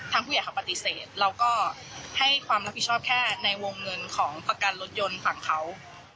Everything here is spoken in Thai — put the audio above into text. ผู้ใหญ่เขาปฏิเสธเราก็ให้ความรับผิดชอบแค่ในวงเงินของประกันรถยนต์ฝั่งเขา